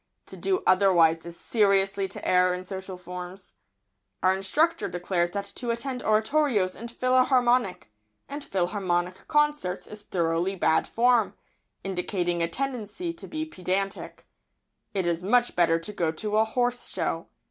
To do otherwise is seriously to err in social forms. Our instructor declares that to attend oratorios and philharmonic concerts is thoroughly bad form, indicating a tendency to be pedantic. It is much better to go to a horse show.